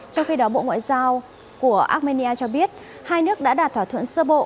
trong khi đó bộ ngoại giao của armenia cho biết hai nước đã đạt thỏa thuận sơ bộ